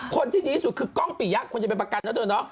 คนที่ดีที่สุดคือกล้องปี่ยักษ์ควรจะเป็นประกันแล้วเถอะเนอะ